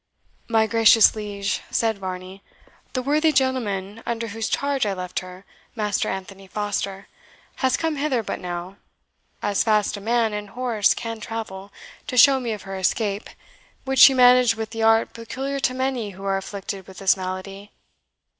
"My gracious Liege," said Varney, "the worthy gentleman under whose charge I left her, Master Anthony Foster, has come hither but now, as fast as man and horse can travel, to show me of her escape, which she managed with the art peculiar to many who are afflicted with this malady.